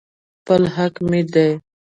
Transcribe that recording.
خپل حق مې دى.